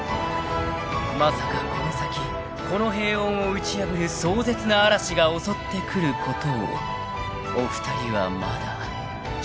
［まさかこの先この平穏を打ち破る壮絶な嵐が襲ってくることをお二人はまだ知る由もありませんでした］